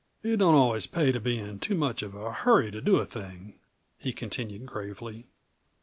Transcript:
"It don't always pay to be in too much of a hurry to do a thing," he continued gravely.